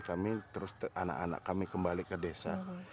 kami terus anak anak kami kembali ke desa